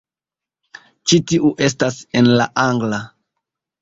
Ĉi tiu estas en la angla